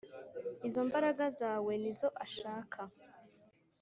Izombaraga zawe nizo ashaka